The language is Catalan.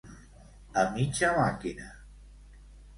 A mitja màquina.